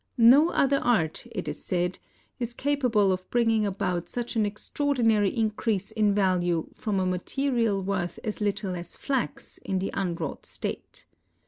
No other art, it is said, is capable of bringing about such an extraor dinary increase in value from a material worth as little as flax in the unwrought state.